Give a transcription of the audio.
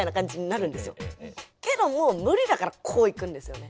けどもう無理だからこう行くんですよね。